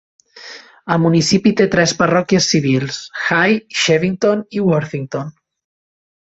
El municipi té tres parròquies civils: Haigh, Shevington i Worthington.